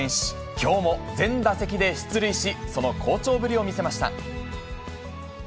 きょうも全打席で出塁し、その好調ぶりを見せました。